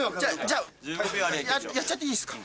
やっちゃっていいですか？